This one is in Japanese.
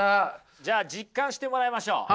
じゃあ実感してもらいましょう。